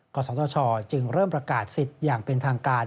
ศตชจึงเริ่มประกาศสิทธิ์อย่างเป็นทางการ